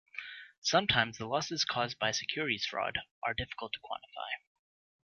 Sometimes the losses caused by securities fraud are difficult to quantify.